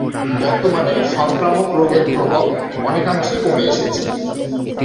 বর্তমানে সংক্রামক রোগ এর প্রকোপ অনেকাংশে কমে এসেছে।